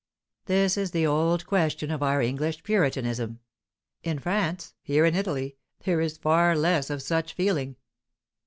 "This is the old question of our English Puritanism. In France, here in Italy, there is far less of such feeling."